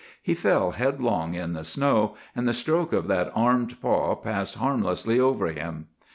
He fell headlong in the snow, and the stroke of that armed paw passed harmlessly over him.